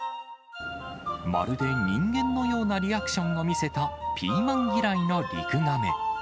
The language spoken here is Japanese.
まるで人間のようなリアクションを見せた、ピーマン嫌いのリクガメ。